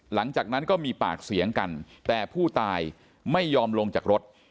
หลังจากนั้นก็มีปากเสียงกันแต่ผู้ตายไม่ยอมลงจากรถ